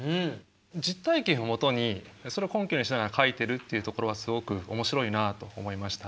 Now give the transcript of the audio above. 実体験をもとにそれを根拠にしながら書いてるっていうところはすごく面白いなあと思いましたね。